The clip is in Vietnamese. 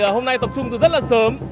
hôm nay tập trung từ rất là sớm